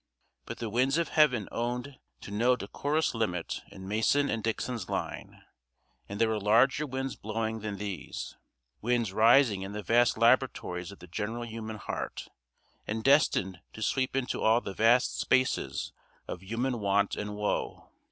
But the winds of Heaven owned to no decorous limit in Mason and Dixon's line; and there were larger winds blowing than these winds rising in the vast laboratories of the general human heart, and destined to sweep into all the vast spaces of human want and woe.